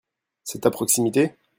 C'est à proximité ?